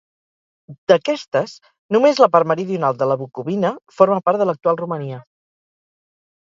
D'aquestes, només la part meridional de la Bucovina forma part de l'actual Romania.